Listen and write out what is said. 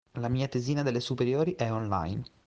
La mia tesina delle superiori è online.